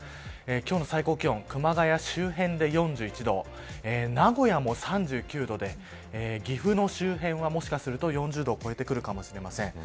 今日の最高気温熊谷周辺で４１度名古屋の３９度で岐阜周辺は、もしかすると４０度を超えてくるかもしれません。